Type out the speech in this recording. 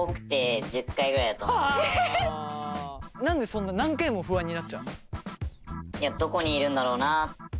何でそんな何回も不安になっちゃうの？